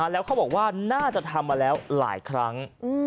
แล้วเขาบอกว่าน่าจะทำมาแล้วหลายครั้ง